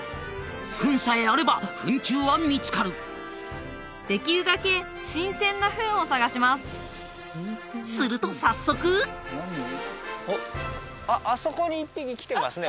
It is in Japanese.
糞さえあれば糞虫は見つかるできるだけ新鮮な糞を探しますすると早速おっあっあそこに１匹来てますね